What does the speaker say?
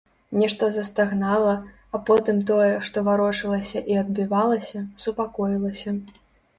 Нешта застагнала, а потым тое, што варочалася і адбівалася, супакоілася.